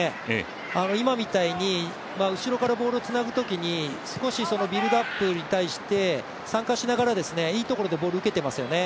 今みたいに後ろからボールをつなぐときに少しビルドアップに対して参加しながら、いいところでボールを受けていますよね。